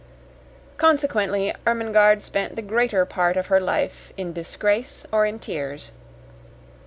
Consequently Ermengarde spent the greater part of her life in disgrace or in tears.